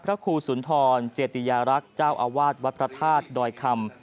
พระครูสุนทรเจติยารักษ์เจ้าอาวาสวัดพระธาตุดอยคำ